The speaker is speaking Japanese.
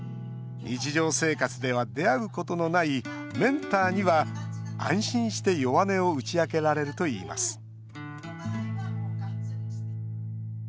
日常生活では出会うことのないメンターには安心して弱音を打ち明けられるといいます